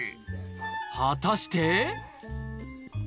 果たして？